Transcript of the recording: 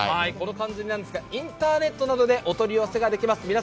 このかんずりなんですがインターネットなどでお取り寄せができます。